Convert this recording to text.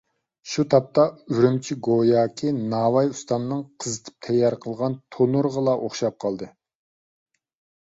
شۇ تاپتا ئۈرۈمچى گوياكى ناۋاي ئۇستامنىڭ قىزىتىپ تەييار قىلغان تونۇرىغىلا ئوخشاپ قالدى.